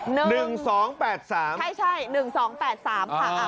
หนึ่งหนึ่งสองแปดสามใช่ใช่หนึ่งสองแปดสามค่ะอ่า